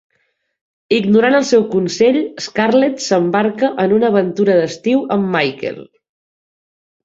Ignorant el seu consell, Scarlett s'embarca en una aventura d'estiu amb Michael.